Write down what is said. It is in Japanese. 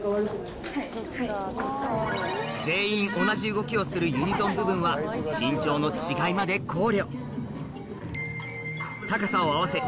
全員同じ動きをするユニゾン部分は身長の違いまで考慮